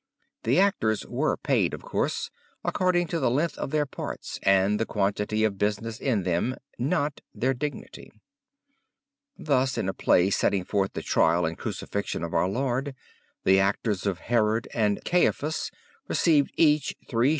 The actors were paid, of course, according to the length of their parts and quantity of business in them, not their dignity. Thus in a play setting forth the Trial and Crucifixion of our Lord, the actors of Herod and Caiaphas received each 3s. 4d.